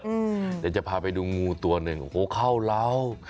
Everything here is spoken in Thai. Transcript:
เดี๋ยวจะพาไปดูงูตัวหนึ่งโอ้โหเข้าเล้า